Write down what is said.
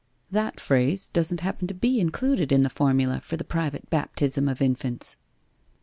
'' That phrase doesn't happen to be included in the formula for the Private Baptism of Infants.'